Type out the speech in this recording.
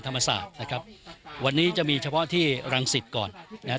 ธรรมศาสตร์นะครับวันนี้จะมีเฉพาะที่รังสิตก่อนนะครับ